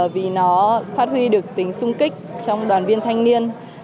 vì nó phát huy được tính sung kích trong đoàn viên thanh niên